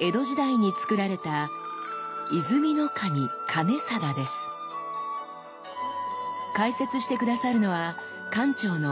江戸時代につくられた解説して下さるのは館長の土方愛さん。